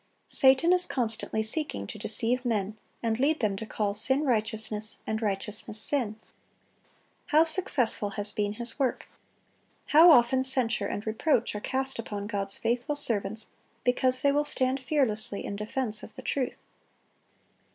Satan is constantly seeking to deceive men, and lead them to call sin righteousness, and righteousness sin. How successful has been his work! How often censure and reproach are cast upon God's faithful servants because they will stand fearlessly in defense of the truth!